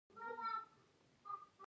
د ننګرهار د مالټو باغونه تل شنه وي.